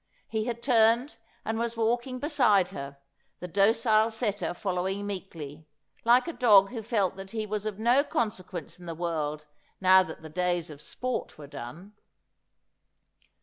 He had turned, and was walking beside her, the docile setter following meekly, like a dog who felt that he was of no conse quence in the world now that the days of sport were done.